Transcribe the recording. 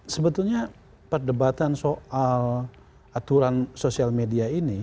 sebetulnya perdebatan soal aturan sosial media ini